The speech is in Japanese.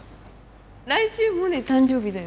来週モネ誕生日だよね？